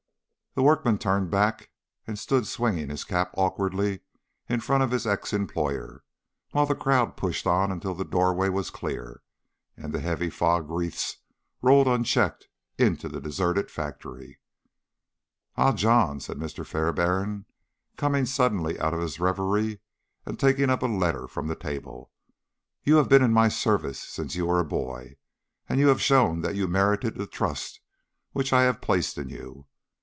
The workman turned back and stood swinging his cap awkwardly in front of his ex employer, while the crowd pushed on until the doorway was clear, and the heavy fog wreaths rolled unchecked into the deserted factory. "Ah, John!" said Mr. Fairbairn, coming suddenly out of his reverie and taking up a letter from the table. "You have been in my service since you were a boy, and you have shown that you merited the trust which I have placed in you.